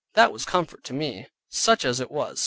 That was comfort to me, such as it was.